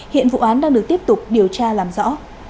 hiện vụ án đang được tiếp tục điều tra làm rõ